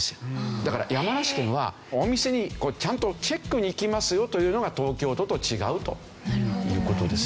だから山梨県はお店にちゃんとチェックに行きますよというのが東京都と違うという事です。